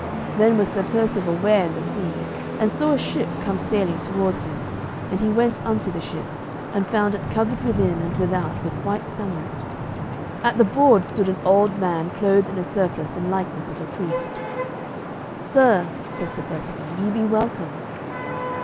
Then was Sir Percivale ware in the sea, and saw a ship come sailing towards him; and he went unto the ship, and found it covered within and without with white samite. At the board stood an old man clothed in a surplice in likeness of a priest. "Sir," said Sir Percivale, "ye be welcome."